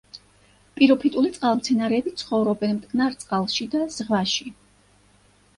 პიროფიტული წყალმცენარეები ცხოვრობენ მტკნარ წყალში და ზღვაში.